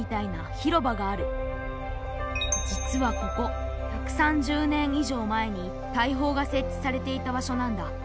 実はここ１３０年以上前に大砲がせっちされていた場所なんだ。